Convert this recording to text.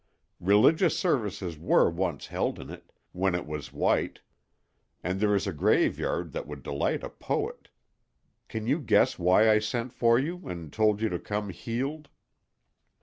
Religious services were once held in it—when it was white, and there is a graveyard that would delight a poet. Can you guess why I sent for you, and told you to come heeled?"